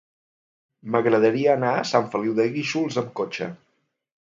M'agradaria anar a Sant Feliu de Guíxols amb cotxe.